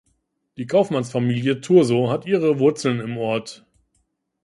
Die Kaufmannsfamilie Thurzo hat ihre Wurzeln im Ort.